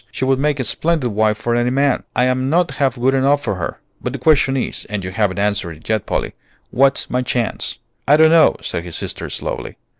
She would make a splendid wife for any man. I'm not half good enough for her; but the question is, and you haven't answered it yet, Polly, what's my chance?" "I don't know," said his sister, slowly.